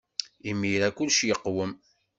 Imir-a, kullec yeqwem.